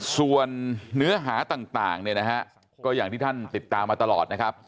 ส่วนเนื้อหาต่างเนี่ยนะฮะก็อย่างที่ท่านติดตามมาตลอดนะครับ